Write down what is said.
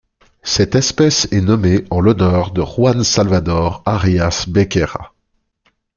Cette espèce est nommée en l'honneur de Joan Salvador Arias Becerra.